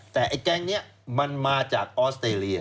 แต่ไอ้แก๊งนี้มันมาจากออสเตรเลีย